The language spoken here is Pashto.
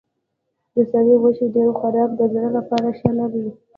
د سرې غوښې ډېر خوراک د زړه لپاره ښه نه دی.